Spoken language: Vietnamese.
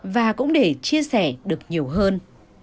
và cũng để chia sẻ được nhiều hơn